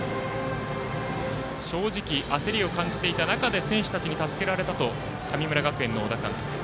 正直焦りを感じていた中で選手たちに助けられたと神村学園の小田監督。